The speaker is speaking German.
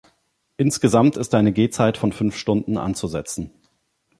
Insgesamt ist eine Gehzeit von fünf Stunden anzusetzen.